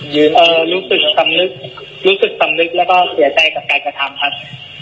รู้สึกสำนึกรู้สึกสำนึกแล้วก็เสียใจกับการกระทำครับ